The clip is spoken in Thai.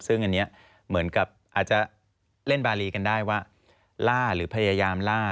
ซึ่งอันนี้เหมือนกับอาจจะเล่นบารีกันได้ว่าล่าหรือพยายามล่า